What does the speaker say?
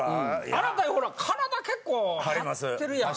あなたほら体結構張ってるやん。